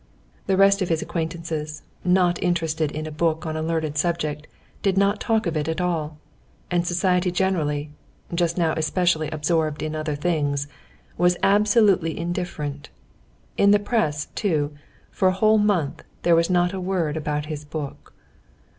The rest of his acquaintances, not interested in a book on a learned subject, did not talk of it at all. And society generally—just now especially absorbed in other things—was absolutely indifferent. In the press, too, for a whole month there was not a word about his book.